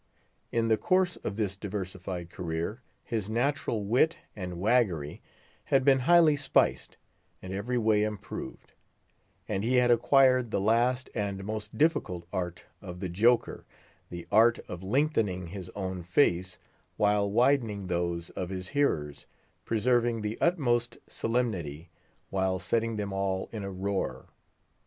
In the course of this deversified career his natural wit and waggery had been highly spiced, and every way improved; and he had acquired the last and most difficult art of the joker, the art of lengthening his own face while widening those of his hearers, preserving the utmost solemnity while setting them all in a roar.